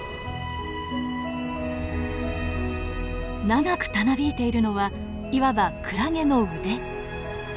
長くたなびいているのはいわばクラゲの腕。